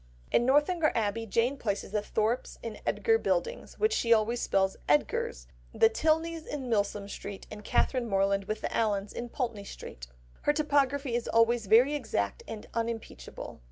In Northanger Abbey, Jane places the Thorpes in Edgar Buildings, which she always spells "Edgar's," the Tilneys in Milsom Street, and Catherine Morland with the Allens in Pulteney Street. Her topography is always very exact and unimpeachable.